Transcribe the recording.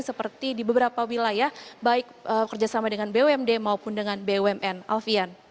seperti di beberapa wilayah baik kerjasama dengan bumd maupun dengan bumn alfian